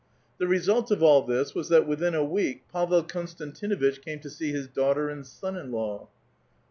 The result of all this was that within a week Pavel Kon stantinuitch came to see his daughter and son in law.